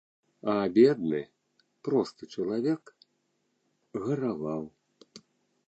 А бедны, просты чалавек гараваў.